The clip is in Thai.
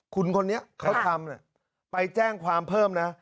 คุณคนนี้เขาทำไปแจ้งความเพิ่มนะ